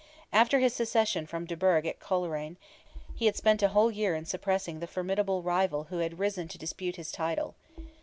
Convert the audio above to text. After his secession from de Burgh at Coleraine, he had spent a whole year in suppressing the formidable rival who had risen to dispute his title.